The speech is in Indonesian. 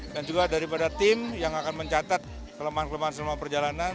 dan juga daripada tim yang akan mencatat kelemahan kelemahan selama perjalanan